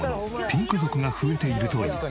ピンク族が増えているという。